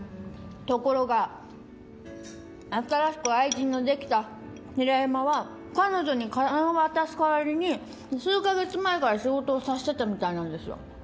ところが新しく愛人のできた平山は彼女に金を渡す代わりに数か月前から仕事をさせてたみたいなんですよ。